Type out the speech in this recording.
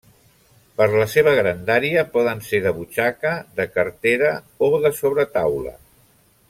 Per la seva grandària, poden ser de butxaca, de cartera, o de sobretaula.